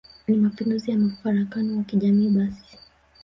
ni Mapinduzi ya mfarakano wa kijamii basi